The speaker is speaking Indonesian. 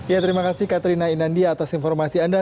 ya terima kasih katerina inandi atas informasi anda